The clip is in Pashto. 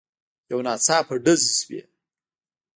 يو ناڅاپه ډزې شوې.